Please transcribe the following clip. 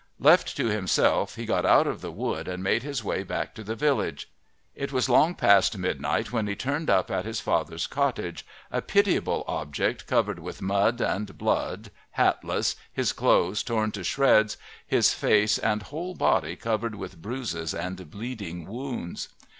Left to himself he got out of the wood and made his way back to the village. It was long past midnight when he turned up at his father's cottage, a pitiable object covered with mud and blood, hatless, his clothes torn to shreds, his face and whole body covered with bruises and bleeding wounds.